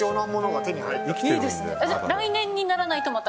来年にならないとまた。